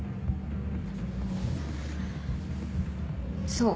そう。